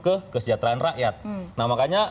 ke kesejahteraan rakyat nah makanya